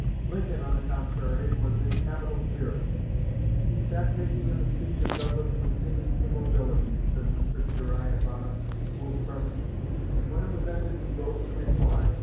Lincoln, on the contrary, was in capital spirits. "He sat taking in the speech of Douglas with seeming immobility," says Mr. Jeriah Bonham, who was present, "and when it was ended, he rose to reply.